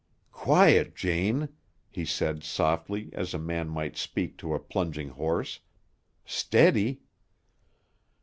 "Quiet, Jane," he said softly as a man might speak to a plunging horse. "Steady!"